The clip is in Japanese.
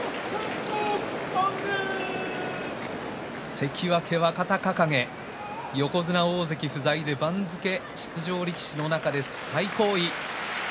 関脇若隆景横綱、大関不在で番付出場力士の中で最高位。